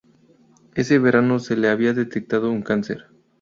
Ese verano se le había detectado un cáncer.